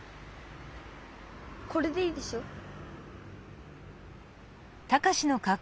これでいいでしょ？